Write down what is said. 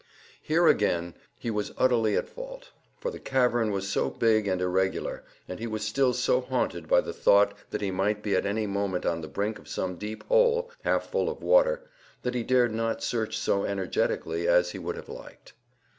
Here, again, he was utterly at fault, for the cavern was so big and irregular, and he was still so haunted by the thought that he might be at any moment on the brink of some deep hole, half full of water, that he dared not search so energetically as he would have liked.